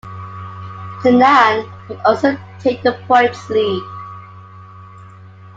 Kanaan would also take the points lead.